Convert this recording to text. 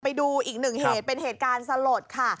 ไปดูอีกหนึ่งเหตุเป็นเหตุการณ์สลดค่ะ